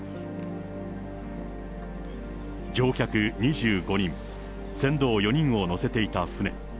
乗客２５人、船頭４人を乗せていた船。